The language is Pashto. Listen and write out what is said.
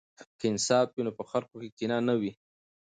که انصاف وي نو په خلکو کې کینه نه وي.